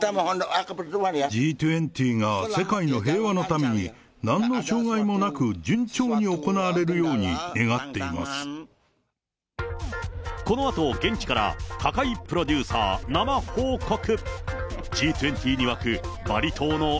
Ｇ２０が世界の平和のためになんの障害もなく、順調に行われこのあと、現地から高井プロデューサー生報告。